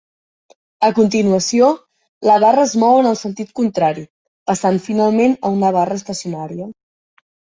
A continuació, la barra es mou en el sentit contrari, passant finalment a una barra estacionària.